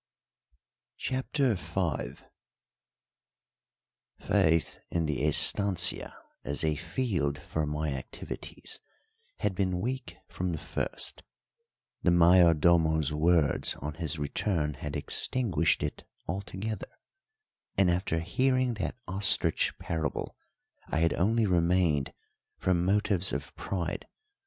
CHAPTER V Faith in the estancia as a field for my activities had been weak from the first; the Mayordomo's words on his return had extinguished it altogether; and after hearing that ostrich parable I had only remained from motives of pride.